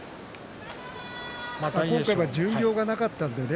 今回は巡業がなかったのでね